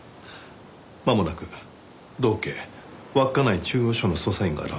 まもなく道警稚内中央署の捜査員が現れます。